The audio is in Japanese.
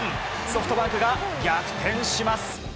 ソフトバンクが逆転します。